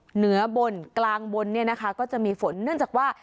เหนือบนกลางบนเนี่ยนะคะก็จะมีฝนเนื่องจากว่า